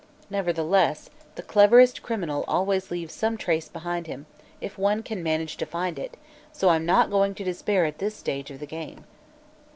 Nevertheless, the cleverest criminal always leaves some trace behind him, if one can manage to find it, so I'm not going to despair at this stage of the game."